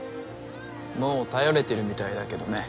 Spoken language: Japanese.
もう頼れてるみたいだけどね。